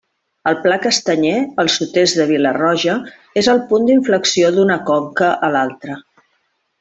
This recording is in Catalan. El Pla Castanyer, al sud-est de Vila-roja, és el punt d'inflexió d'una conca a l'altra.